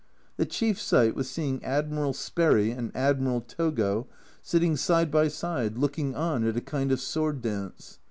The chief sight was seeing Admiral Sperry and Admiral Togo sitting side by side looking on at a kind of sword dance.